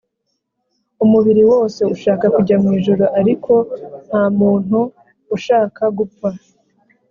umubiri wose ushaka kujya mwijuru ariko ntamuntu ushaka gupfa